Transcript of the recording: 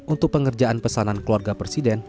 untuk pengerjaan pesanan keluarga presiden